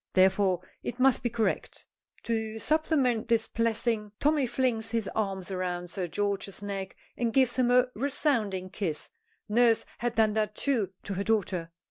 Therefore it must be correct. To supplement this blessing Tommy flings his arms around Sir George's neck and gives him a resounding kiss. Nurse had done that, too, to her daughter.